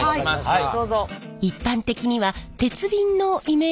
はい。